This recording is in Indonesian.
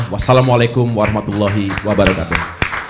wassalamualaikum warahmatullahi wabarakatuh